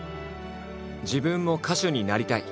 「自分も歌手になりたい」。